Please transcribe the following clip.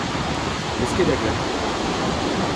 N'eus ket da glemm.